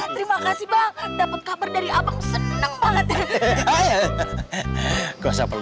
terima kasih bang dapet kabar dari abang seneng banget